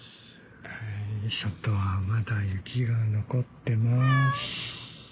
外はまだ雪が残ってます。